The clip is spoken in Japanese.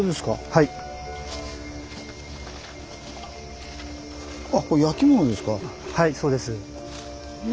はいそうです。